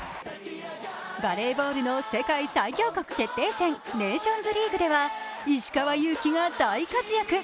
バレーボールの世界最強国決定戦、ネーションズリーグでは、石川祐希が大活躍。